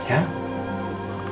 jangan lupa sholat